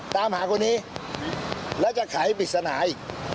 ตามหาคนนี้แล้วจะขายให้ปิดสนาย